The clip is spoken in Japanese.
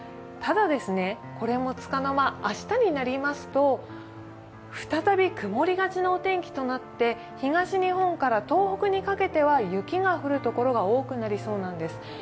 ただ、これもつかの間、明日になりますと、再び曇りがちのお天気となって東日本から東北にかけては雪が降るところが多くなりそうです。